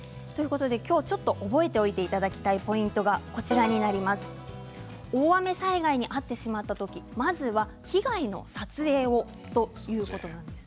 今日ちょっと覚えておいてほしいポイントは大雨災害に遭ってしまった時まずは被害の撮影をということなんです。